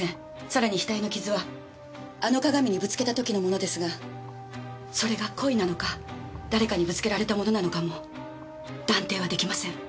さらに額の傷はあの鏡にぶつけた時のものですがそれが故意なのか誰かにぶつけられたものなのかも断定は出来ません。